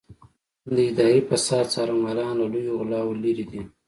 د اداري فساد څارنوالان له لویو غلاوو لېرې دي.